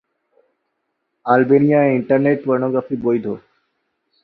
আলবেনিয়ায় internet pornography বৈধ।